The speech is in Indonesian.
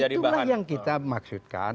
itulah yang kita maksudkan